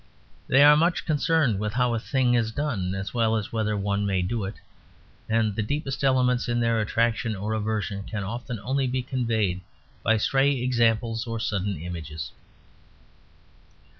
They are much concerned with how a thing is done, as well as whether one may do it: and the deepest elements in their attraction or aversion can often only be conveyed by stray examples or sudden images.